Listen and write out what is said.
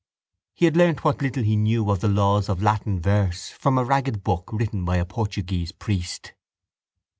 He had learnt what little he knew of the laws of Latin verse from a ragged book written by a Portuguese priest.